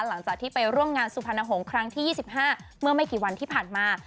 หลังจากที่ไปร่วมงานสุพรรณหงษ์ครั้งที่๒๕เมื่อไม่กี่วันที่ผ่านมา